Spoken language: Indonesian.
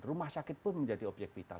rumah sakit pun menjadi objek vital